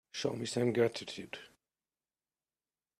Show me some gratitude.